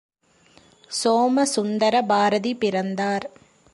சோமசுந்தர பாரதி பிறந்தார்.